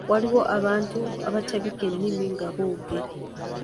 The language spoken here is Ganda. Waliwo abantu abatabika ennimi nga boogera.